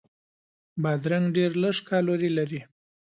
بادرنګ ډېر لږ کالوري لري.